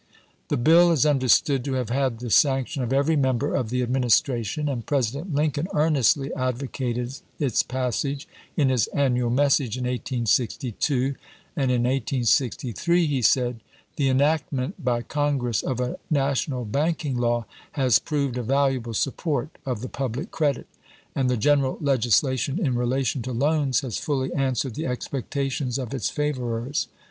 The bill is understood to have had the sanction of every member of the Administration, and Presi dent Lincoln earnestly advocated its passage in his annual message in 1862 ; and in 1863 he said : The enactment by Congress of a national banking law has proved a valuable support of the public credit, and the general legislation in relation to loans has fully answered the expectations of its favorers.